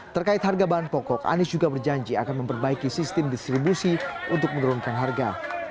terkait harga bahan pokok anies juga berjanji akan memperbaiki sistem distribusi untuk menurunkan harga